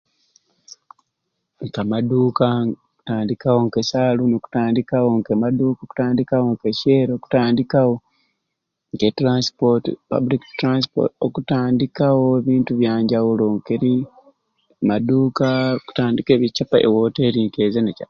K'amaduuka okutandikawo ke saluuni okutandikawo ke maduu kutandikawo ke shero okutandikawo ke tulansipoti pabuliiki tulansipooti okutandikawo ebintu ebyanjawulo ngeri maduuka okutandika ebicapa e woteeri k'ezo n'eca